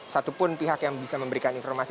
satupun pihak yang bisa memberikan informasi